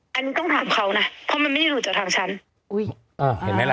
อันนี้ต้องถามเขานะเพราะมันไม่ได้หลุดจากทางฉันอุ้ยอ่าเห็นไหมล่ะ